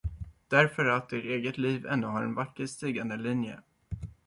Därför att ert eget liv ännu har en vacker stigande linje.